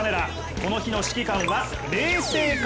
この日の指揮官は冷静か？